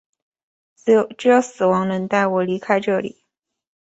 只有死亡能带我离开这里！